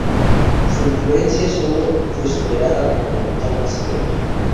Su influencia sólo fue superada por la de Thomas Gray.